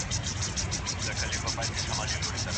پيسې مصرف سوي دي.